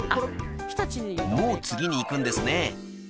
［もう次にいくんですね］